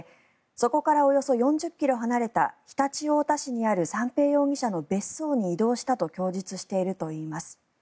そこからおよそ４０ｋｍ離れた常陸太田市にある三瓶容疑者の別荘に移動したと供述しているといいます。